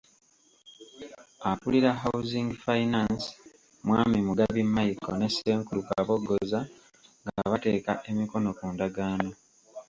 Akulira Housing Finance, mwami Mugabi Michael ne Ssenkulu Kabogoza nga bateeka emikono ku ndagaano.